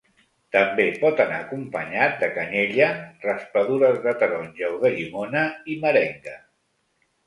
També pot anar acompanyat de canyella, raspadures de taronja o de llimona, i merenga.